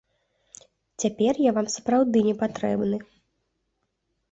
Цяпер я вам сапраўды не патрэбны.